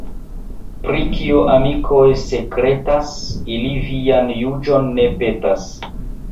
Pri kio amikoj sekretas, ili vian juĝon ne petas.